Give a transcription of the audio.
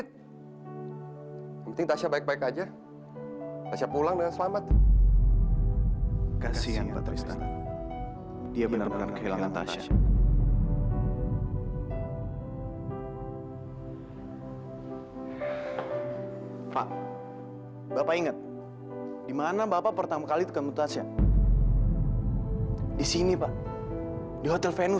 saya sudah berusaha sampai itu